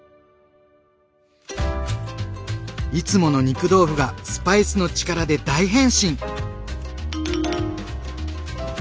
いつもの肉豆腐がスパイスの力で大変身！